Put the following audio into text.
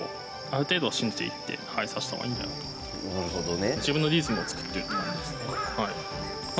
なるほどね。